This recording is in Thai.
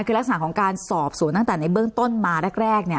คือลักษณะของการสอบสวนตั้งแต่ในเบื้องต้นมาแรกเนี่ย